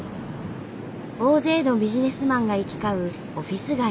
大勢のビジネスマンが行き交うオフィス街。